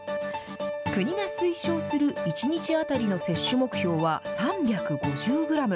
国が推奨する１日当たりの摂取目標は３５０グラム。